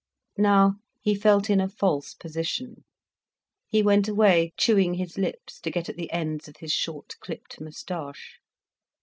Now he felt in a false position. He went away chewing his lips to get at the ends of his short clipped moustache.